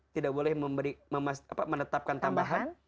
tidak boleh menetapkan tambahan